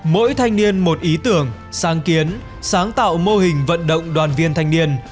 mỗi thanh niên một ý tưởng sáng kiến sáng tạo mô hình vận động đoàn viên thanh niên